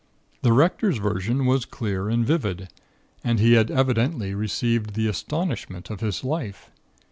"The Rector's version was clear and vivid, and he had evidently received the astonishment of his life.